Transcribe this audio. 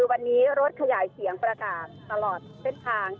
วันนี้รถขยายเสียงประกาศตลอดเส้นทาง